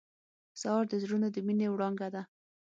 سهار د زړونو د مینې وړانګه ده.